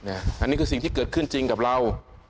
อันนี้คือสิ่งที่เกิดขึ้นจริงกับเรา